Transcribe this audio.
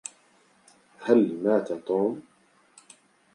هل مات توم؟